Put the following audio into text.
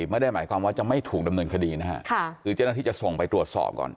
ไม่ได้หมายความว่าจะไม่ถูกดำเนินคดีนะฮะคือเจ้าหน้าที่จะส่งไปตรวจสอบก่อน